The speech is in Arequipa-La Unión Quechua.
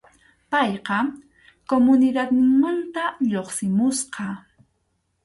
Payqa comunidadninmanta lluqsimusqa.